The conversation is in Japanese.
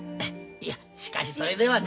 いやしかしそれではね。